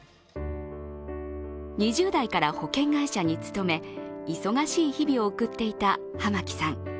２０代から保険会社に勤め忙しい日々を送っていた浜木さん。